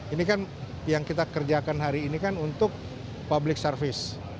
ini kan yang kita kerjakan hari ini kan untuk public service